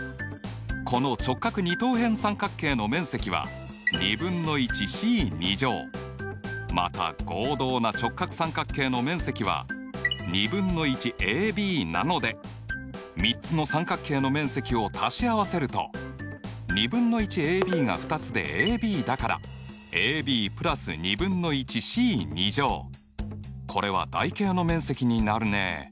この直角二等辺三角形の面積はまた合同な直角三角形の面積は３つの三角形の面積を足し合わせると２分の１ａｂが２つでａｂだからこれは台形の面積になるね。